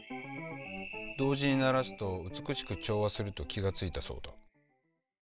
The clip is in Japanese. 同時に鳴らすと美しく調和すると気が付いたそうだ。